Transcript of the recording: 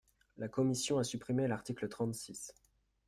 La commission a supprimé l’article trente-six.